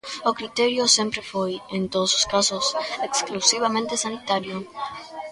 O criterio sempre foi, en todos os casos, exclusivamente sanitario.